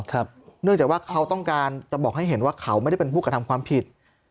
เนื่องจากว่าเขาต้องการจะบอกให้เห็นว่าเขาไม่ได้เป็นผู้กระทำความผิด